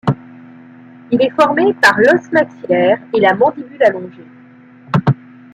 Il est formé par l'os maxillaire et la mandibule allongée.